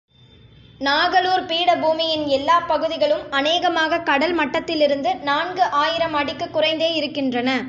நாகலூர் பீடபூமியின் எல்லாப் பகுதிகளும் அநேகமாகக் கடல் மட்டத்திலிருந்து நான்கு ஆயிரம் அடிக்குக் குறைந்தே இருகின்றன.